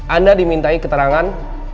anda dimintai keterangan